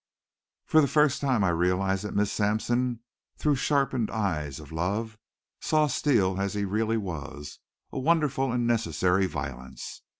For the first time I realized that Miss Sampson, through sharpened eyes of love, saw Steele as he really was a wonderful and necessary violence.